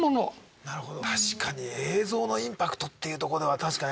なるほど確かに映像のインパクトっていうとこでは確かに。